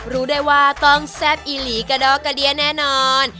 รู้ได้ว่าต้องแซ่บอีหลีกระดอกกระเดียแน่นอน